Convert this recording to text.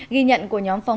ghi nhận của nhóm phóng